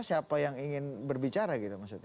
siapa yang ingin berbicara gitu maksudnya